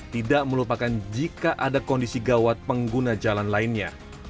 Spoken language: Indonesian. tidak melupakan jika ada kondisi gawat pengguna jalan lainnya